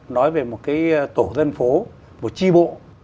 nói về một tổ dân phố một chi bộ